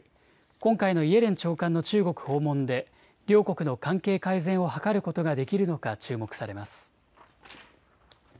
今回のイエレン長官の中国訪問で両国の関係改善を図ることができるのか注目されます。